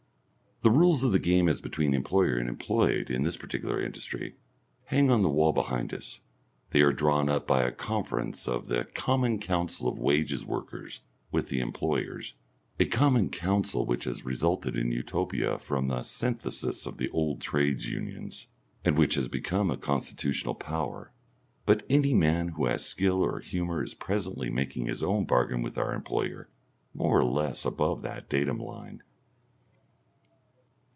The rules of the game as between employer and employed in this particular industry hang on the wall behind us; they are drawn up by a conference of the Common Council of Wages Workers with the employers, a common council which has resulted in Utopia from a synthesis of the old Trades Unions, and which has become a constitutional power; but any man who has skill or humour is presently making his own bargain with our employer more or less above that datum line.